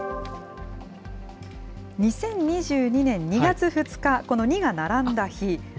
２０２２年２月２日、この２が並んだ日。